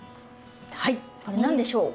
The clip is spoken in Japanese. はいこれ何でしょう？